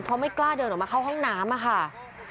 เพราะไม่กล้าเดินออกมาเข้าห้องน้ำค่ะ